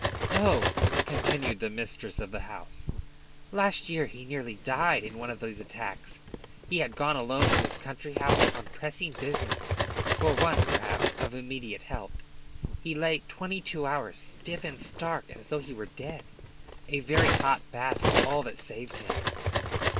"Oh," continued the mistress of the house, "last year he nearly died in one of these attacks. He had gone alone to his country house on pressing business. For want, perhaps, of immediate help, he lay twenty two hours stiff and stark as though he were dead. A very hot bath was all that saved him."